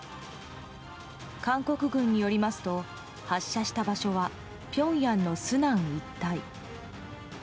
韓国軍によりますと発射した場所はピョンヤンのスナン一帯。